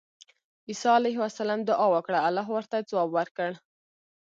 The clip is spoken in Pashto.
عيسی عليه السلام دعاء وکړه، الله ورته ځواب ورکړ